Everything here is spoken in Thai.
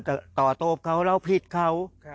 แต่ต่อตบเขาแล้วพิษเขา